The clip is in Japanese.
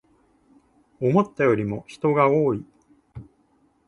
思ったよりも人が多い